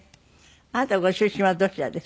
あなたご出身はどちらですか？